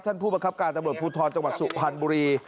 ท่านผู้ประคับการณ์ตำรวจพูทรจังหวัดสุพรรณบุรี